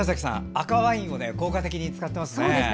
赤ワインを効果的に使っていますね。